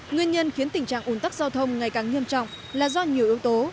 nguyên nhân khiến tình trạng ủn tắc giao thông ngày càng nghiêm trọng là do nhiều yếu tố